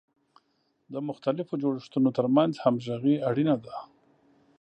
د مختلفو جوړښتونو ترمنځ همغږي اړینه ده.